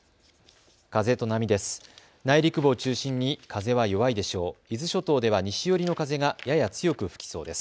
風と波です。